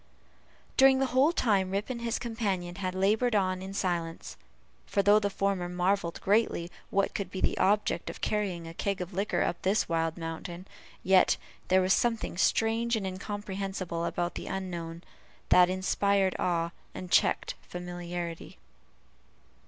During the whole time Rip and his companion had labored on in silence; for though the former marvelled greatly what could be the object of carrying a keg of liquor up this wild mountain, yet there was something strange and incomprehensible about the unknown, that inspired awe, and checked familiarity.